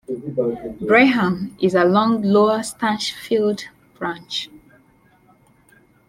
Braham is along Lower Stanchfield Branch.